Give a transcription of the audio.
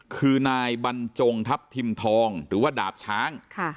คือนายบรรจงทัพทิมทองหรือว่าดาบช้าง